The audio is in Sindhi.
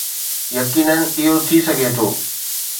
يقينن اهو ٿي سگهي ٿو